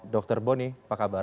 dr boni apa kabar